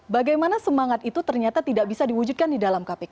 bagaimana semangat itu ternyata tidak bisa diwujudkan di dalam kpk